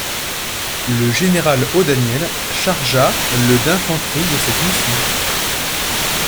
Le général O'Daniel chargea le d'infanterie de cette mission.